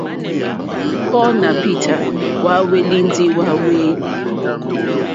Paul nà Peter hwá hwélì ndí hwàléèlì.